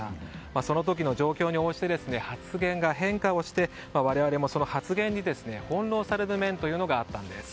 その時の状況に応じて発言が変化をして我々もその発言に翻弄される面があったんです。